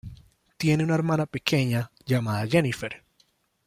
Tiene una hermana pequeña llamada Jennifer.